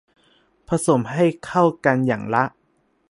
ผสมให้เข้ากันอย่างละ